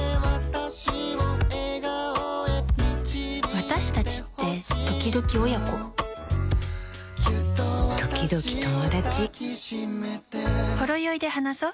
私達ってときどき親子ときどき友達「ほろよい」で話そ。